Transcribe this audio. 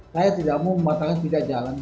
saya tidak mau membatalkan pindah jalan